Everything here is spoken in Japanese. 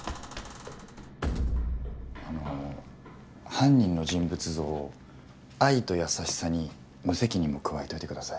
あの犯人の人物像愛と優しさに無責任も加えといて下さい。